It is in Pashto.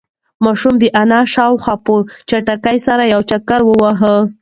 ماشوم د انا شاوخوا په چټکۍ سره یو چکر وواهه.